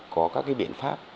có các cái biện pháp